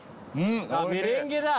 あっメレンゲだ。